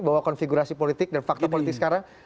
bahwa konfigurasi politik dan fakta politik sekarang